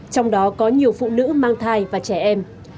trong đó có nhiều phụ nữ mang thai và trẻ em